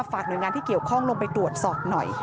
หน่วยงานที่เกี่ยวข้องลงไปตรวจสอบหน่อย